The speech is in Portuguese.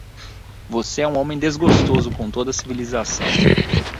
Você é um homem desgostoso com toda a civilização.